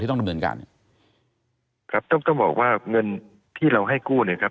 ต้องดำเนินการครับต้องต้องบอกว่าเงินที่เราให้กู้เนี่ยครับ